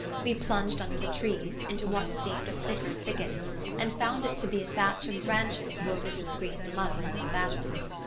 We plunged under the trees, into what seemed a thicker thicket, and found it to be a thatch of branches woven to screen the muzzles of a battery.